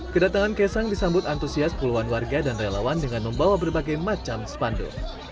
kedatangan kaisang disambut antusias puluhan warga dan relawan dengan membawa berbagai macam spanduk